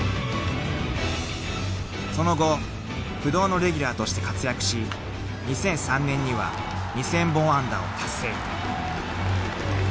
［その後不動のレギュラーとして活躍し２００３年には２，０００本安打を達成］